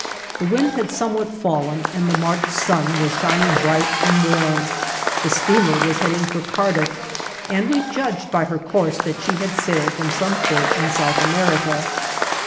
The wind had somewhat fallen and the March sun was shining bright and warm; the steamer was heading for Cardiff, and we judged by her course that she had sailed from some port in South America.